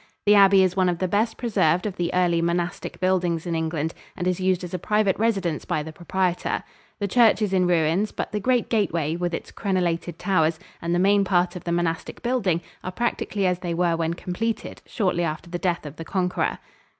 The abbey is one of the best preserved of the early monastic buildings in England, and is used as a private residence by the proprietor. The church is in ruins, but the great gateway, with its crenelated towers, and the main part of the monastic building are practically as they were when completed, shortly after the death of the Conqueror.